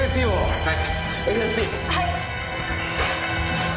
はい！